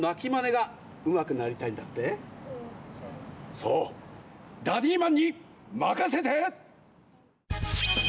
そうダディーマンにまかせて！